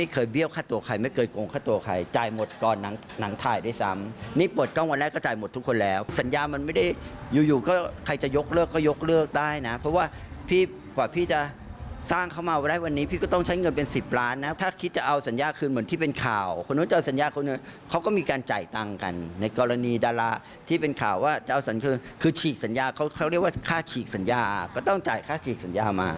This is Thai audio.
เขาก็มีการจ่ายตังค์กันในกรณีดาราที่เป็นข่าวว่าจะเอาสัญญาคือคือฉีกสัญญาเขาเรียกว่าค่าฉีกสัญญาก็ต้องจ่ายค่าฉีกสัญญามา